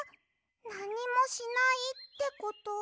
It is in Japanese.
なにもしないってこと？